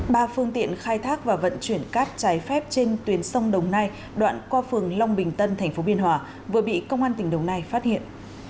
ba phương tiện khai thác và vận chuyển cát trái phép trên tuyến sông đồng nai đoạn qua phường long bình tân tp biên hòa vừa bị công an tỉnh đồng nai phát hiện